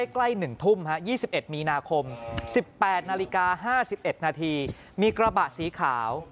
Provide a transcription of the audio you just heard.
ใกล้๑ทุ่ม๒๑มีนาคม๑๘นาฬิกา๕๑นาทีมีกระบะสีขาว